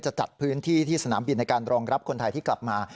จัดพื้นที่ที่สนามบินในการรองรับคนไทยที่กลับมา